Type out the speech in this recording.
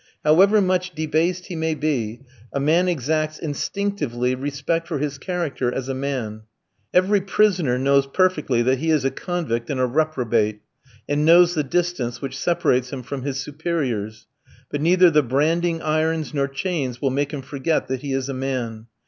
However much debased he may be, a man exacts instinctively respect for his character as a man. Every prisoner knows perfectly that he is a convict and a reprobate, and knows the distance which separates him from his superiors; but neither the branding irons nor chains will make him forget that he is a man.